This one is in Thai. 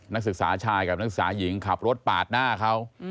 นักศึกษาชายกับนักศึกษาหญิงขับรถปาดหน้าเขา